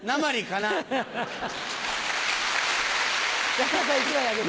山田さん１枚あげて。